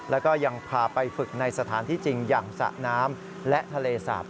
แล้วก็ยังพาไปฝึกในสถานที่จริงอย่างสระน้ำและทะเลสาบ